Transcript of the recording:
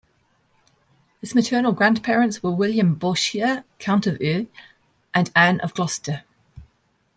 His maternal grandparents were William Bourchier, Count of Eu and Anne of Gloucester.